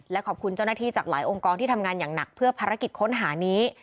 และขอบคุณเจ้าหน้าที่จากหลายองค์กรที่ทำงานอย่างหนักเพื่อภารกิจค้นหานี้